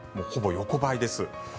ほぼ横ばいです。